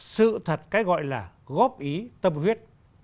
sự thật cái gọi là góp ý tâm huyết